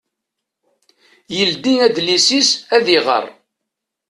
Yeldi adlis-is ad iɣer.